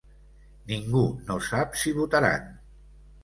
Ningú no sap si votaran.